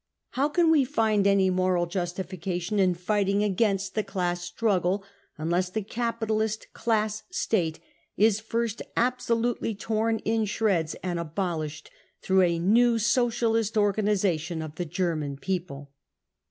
How can we find any moral justification in fighting against the class struggle, unless the capitalist class State is first absolutely torn in shreds and abol ished, through a new socialist organisation of the German people